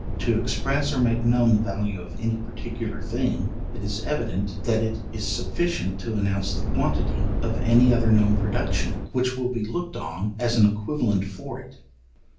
To express or make known the value of any particular thing, it is evident, that it is sufficient to announce the quantity of any other known production, which will be looked on as an equivalent for it.